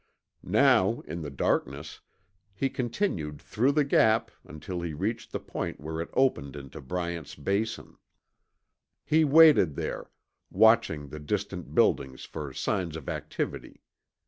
Now, in the darkness, he continued through the Gap until he reached the point where it opened into Bryant's Basin. He waited there, watching the distant buildings for signs of activity.